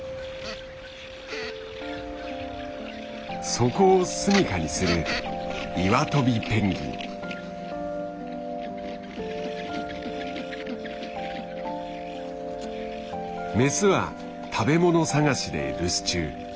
そこを住みかにするメスは食べもの探しで留守中。